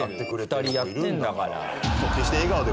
２人やってるんだから。